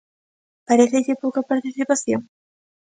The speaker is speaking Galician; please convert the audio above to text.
¿Parécelle pouca participación?